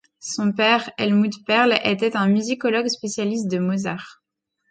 Son père Helmuth Perl était un musicologue spécialiste de Mozart.